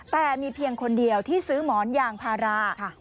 แต่มีเพียงคนเดียวที่ซื้อหมอนยางพารา